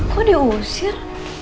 kok dia usir